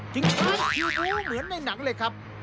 จริงคิ้วเหมือนในหนังเลยครับ